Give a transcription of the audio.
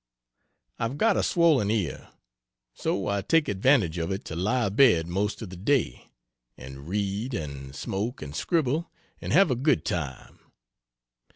I've got a swollen ear; so I take advantage of it to lie abed most of the day, and read and smoke and scribble and have a good time.